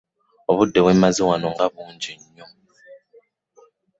Obudde bwe mmaze wano nga bungi nnyo!